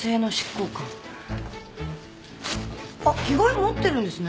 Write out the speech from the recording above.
あっ着替え持ってるんですね。